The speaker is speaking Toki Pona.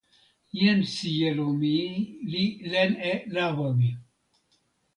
len sijelo mi li len e lawa mi.